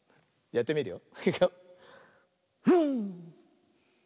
やってみるよ。